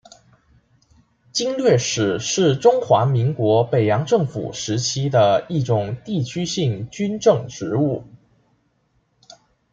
经略使是中华民国北洋政府时期的一种地区性军政职务。